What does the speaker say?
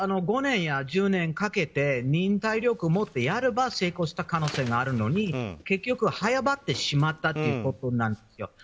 ５年や１０年かけて忍耐力持ってやれば成功した可能性があるのに結局、早まってしまったんですよ。